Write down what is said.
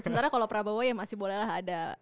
sementara kalau prabowo ya masih boleh lah ada